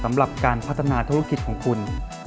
สำหรับการพัฒนาธุรกิจของคุณ